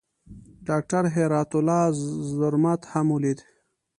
ډاکټر هرات الله زرمت هم ولید.